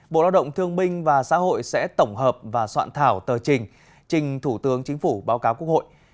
bộ lao động thương minh và xã hội sẽ tổng hợp và soạn thảo tờ trình trình thủ tướng chính phủ báo cáo quốc hội